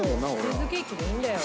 チーズケーキでいいんだよ。